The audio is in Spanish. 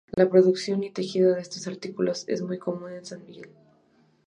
La producción y tejido de estos artículos es muy común en San Miguel.